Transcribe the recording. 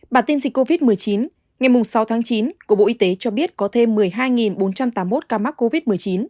bản tin dịch covid một mươi chín ngày sáu tháng chín của bộ y tế cho biết có thêm một mươi hai bốn trăm tám mươi một ca mắc covid một mươi chín